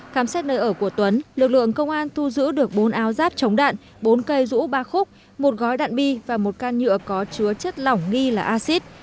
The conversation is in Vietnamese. khám xét nơi ở của tuấn lực lượng công an thu giữ được bốn áo giáp chống đạn bốn cây rũ ba khúc một gói đạn bi và một can nhựa có chứa chất lỏng nghi là acid